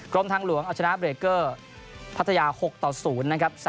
กรมทางหลวงเอาชนะเบรกเกอร์พัทยา๖ต่อ๐นะครับ